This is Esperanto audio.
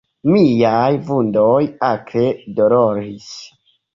Miaj vundoj akre doloris.